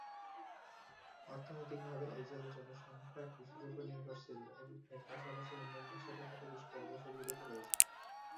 অর্থনৈতিকভাবে এই জেলার জনসংখ্যা কৃষির উপর নির্ভরশীল এবং এর পাশাপাশি অন্যান্য ছোট খাটো কিছু ব্যবসা জড়িত রয়েছে।